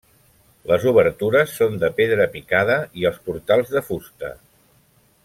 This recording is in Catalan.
Les obertures són de pedra picada i els portals de fusta.